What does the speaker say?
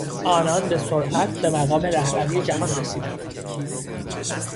آنان به سرعت به مقام رهبری جهان رسیدند.